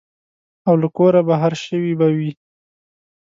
او له کوره بهر شوي به وي.